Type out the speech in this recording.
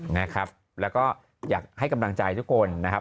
นะครับแล้วก็อยากให้กำลังใจทุกคนนะครับ